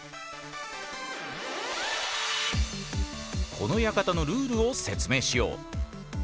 この館のルールを説明しよう！